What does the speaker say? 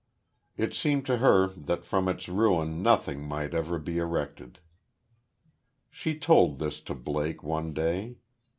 It seemed to her that from its ruin nothing might ever be erected. She told this to Blake, one day.